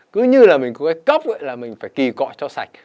cứ như là mình có cái cốc ấy là mình phải kì cọ cho sạch